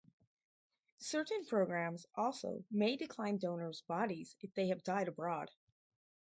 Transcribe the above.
Certain programs also may decline donor's bodies if they have died abroad.